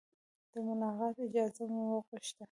د ملاقات اجازه مو وغوښته.